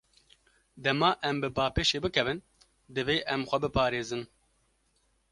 Dema em bi bapêşê bikevin, divê em xwe biparêzin.